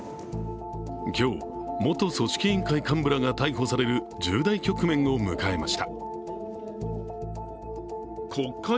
今日、元組織委員会幹部らが逮捕される重大局面を迎えました。